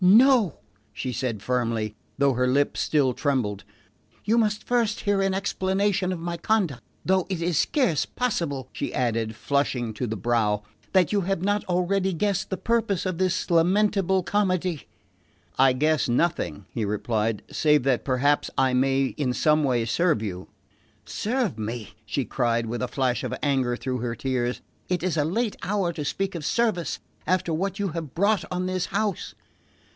"No," she said firmly, though her lip still trembled; "you must first hear an explanation of my conduct; though it is scarce possible," she added, flushing to the brow, "that you have not already guessed the purpose of this lamentable comedy." "I guess nothing," he replied, "save that perhaps I may in some way serve you." "Serve me?" she cried, with a flash of anger through her tears. "It is a late hour to speak of service, after what you have brought on this house!"